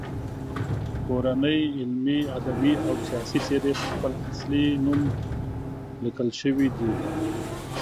کورنۍ علمي، ادبي او سیاسي څیرې په خپل اصلي نوم لیکل شوي دي.